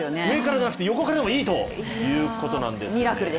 上からではなくて横からでもいいということなんです。